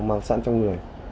mang sẵn trong người